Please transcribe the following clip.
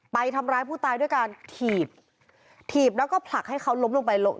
ไปทำร้ายผู้ตายด้วยการถีบถีบแล้วก็ผลักให้เขาล้มลงไป